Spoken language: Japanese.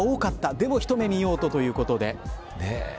でも一目見ようということで。